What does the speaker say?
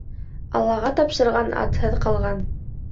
Аллаға тапшырған атһыҙ ҡалған.